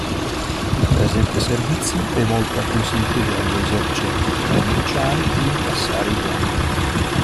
Il presente servizio è volto a consentire agli esercenti commerciali di incassare i buoni.